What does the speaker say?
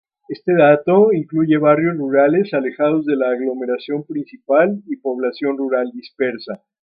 Este dato incluye barrios rurales alejados de la aglomeración principal y población rural dispersa.